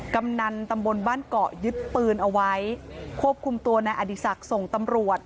กำนันตำบลบ้านเกาะยึดปืนเอาไว้ควบคุมตัวนายอดีศักดิ์ส่งตำรวจ